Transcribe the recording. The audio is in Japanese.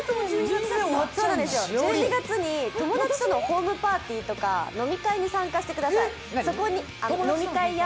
１２月に友達とのホームパーティーとか飲み会に参加してください。